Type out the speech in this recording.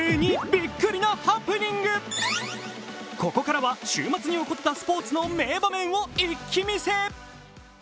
ここからは週末に起こったスポーツの名場面を一気見せ。